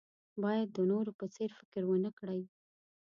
باید د نورو په څېر فکر ونه کړئ.